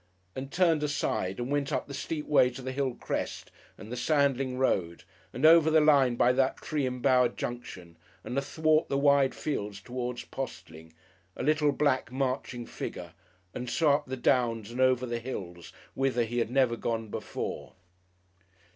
and turned aside and went up the steep way to the hill crest and the Sandling Road, and over the line by that tree embowered Junction, and athwart the wide fields towards Postling a little, black, marching figure and so up the Downs and over the hills, whither he had never gone before....